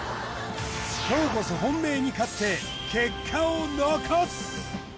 今日こそ本命に勝って結果を残す！